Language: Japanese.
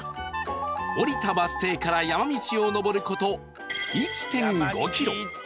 降りたバス停から山道を上る事 １．５ キロ